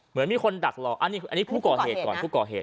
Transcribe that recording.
เหมือนมีคนดักรออันนี้ผู้ก่อเหตุก่อน